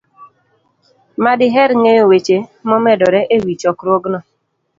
ma diher ng'eyo weche momedore e wi chokruogno.